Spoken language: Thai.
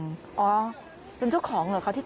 กลับเข้ากันแล้วกัน